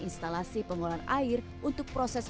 instalasi pengolahan air untuk proses